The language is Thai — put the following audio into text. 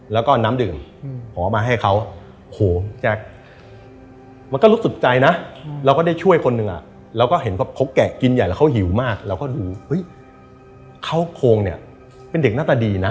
แล้วก็น้ำดื่มหอมาให้เขาโหแจ๊คมันก็รู้สึกใจนะเราก็ได้ช่วยคนหนึ่งเราก็เห็นว่าเขาแกะกินใหญ่แล้วเขาหิวมากเราก็ดูเฮ้ยเขาโครงเนี่ยเป็นเด็กหน้าตาดีนะ